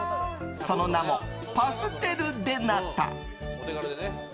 その名も、パステル・デ・ナタ。